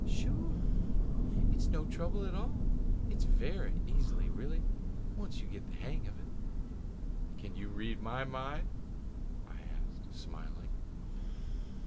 "Sure! It's no trouble at all. It's very easy really, once you get the hang of it." "Can you read my mind?" I asked, smiling.